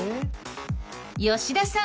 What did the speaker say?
吉田さん！